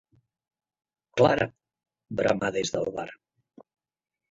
Clara! —bramà des del bar—.